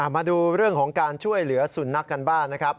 มาดูเรื่องของการช่วยเหลือสุนัขกันบ้างนะครับ